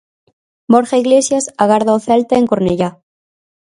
Borja Iglesias agarda o Celta en Cornellá.